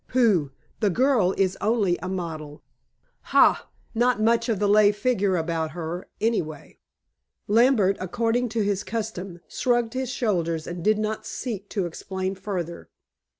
"Pooh! The girl is only a model." "Ha! Not much of the lay figure about her, anyway." Lambert, according to his custom, shrugged his shoulders and did not seek to explain further.